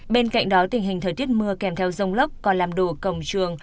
bên cạnh đó tình hình thời tiết mưa kèm theo rông lốc còn làm đổ cổng trường